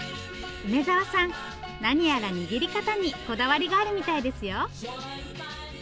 梅沢さん何やら握り方にこだわりがあるみたいですよ。